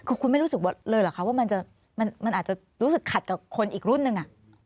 คือคุณไม่รู้สึกเลยเหรอคะว่ามันอาจจะรู้สึกขัดกับคนอีกรุ่นหนึ่ง